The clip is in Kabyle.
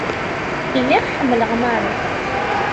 Lliɣ ḥemmleɣ Mary.